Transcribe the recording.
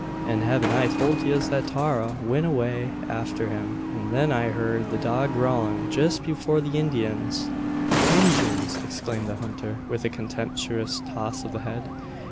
An' havn't I towld yez that Tara went away afther him, an thin I heerd the dog gowlin', jist afore the Indyins " "Injuns!" exclaimed the hunter, with a contemptuous toss of the head.